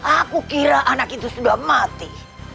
aku kira anak itu sudah mati